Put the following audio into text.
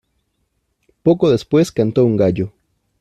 poco después cantó un gallo.